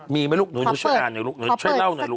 มีไหมลูกหนูช่วยอ่านหนูช่วยเล่าหนู